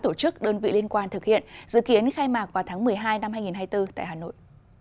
tổ chức đơn vị liên quan thực hiện dự kiến khai mạc vào tháng một mươi hai năm hai nghìn hai mươi bốn tại hà nội